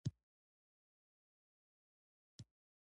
د پښتو پرمختګ لپاره په واورئ برخه کې ګډون وکړئ.